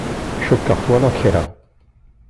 Cukkeɣ twalaḍ kra.